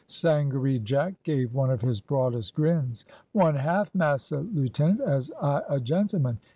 Sangaree Jack gave one of his broadest grins. "One half, massa lieutenant, as I a gentleman.